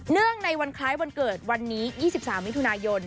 เนื่องในวันคล้ายวันเกิดวันนี้๒๓วิธุนายน